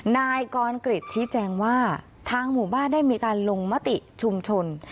นายกรกริจชี้แจงว่าทางหมู่บ้านได้มีการลงมติชุมชน